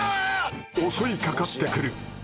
襲いかかってくる！